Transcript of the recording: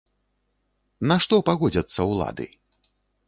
На што пагодзяцца ўлады?